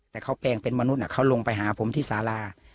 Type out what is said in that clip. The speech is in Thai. แต่เขาแปลงเป็นมนุษย์เขาลงไปหาผมที่สารา